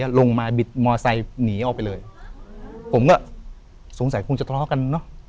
ลงมาบิดมอไซค์หนีออกไปเลยผมก็สงสัยคงจะทะเลาะกันเนอะ